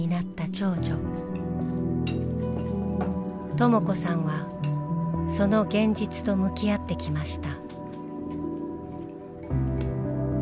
とも子さんはその現実と向き合ってきました。